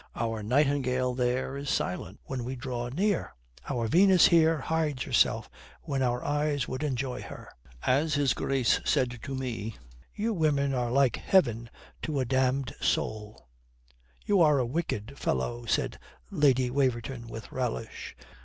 Our nightingale there is silent when we draw near. Our Venus here hides herself when our eyes would enjoy her. As His Grace said to me, you women are like heaven to a damned soul." "You are a wicked fellow," said Lady Waverton with relish.